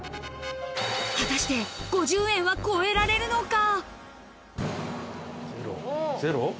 果たして５０円は超えられるのか。